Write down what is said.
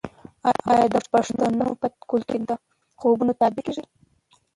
آیا د پښتنو په کلتور کې د خوبونو تعبیر نه کیږي؟